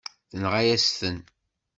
Tenɣa-yasen-ten.